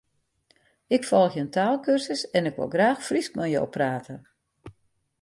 Ik folgje in taalkursus en ik wol graach Frysk mei jo prate.